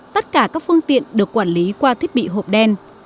tất cả các phương tiện được quản lý qua thiết bị hộp đen